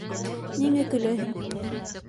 Ниңә көләһең?